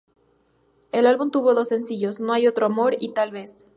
El álbum tuvo dos sencillos "No hay otro amor" y "Tal vez".